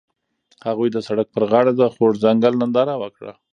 هغوی د سړک پر غاړه د خوږ ځنګل ننداره وکړه.